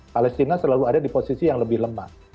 palestina selalu ada di posisi yang lebih lemah